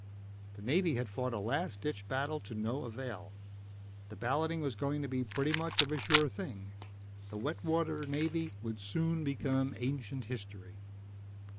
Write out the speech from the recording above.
The Navy had fought a last ditch battle to no avail. The balloting was going to be pretty much of a sure thing the wet water Navy would soon become ancient history.